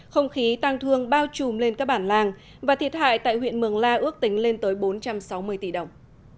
không khí tăng thương bao trùm lên các bản làng và thiệt hại tại huyện mường la ước tính lên tới bốn trăm sáu mươi tỷ đồng